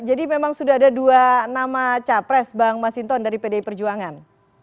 jadi memang sudah ada dua nama capres bang mas hinton dari pdi perjuangan